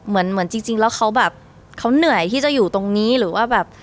เหมือนเหมือนจริงแล้วเขาแบบเขาเหนื่อยที่จะอยู่ตรงนี้หรือว่าแบบ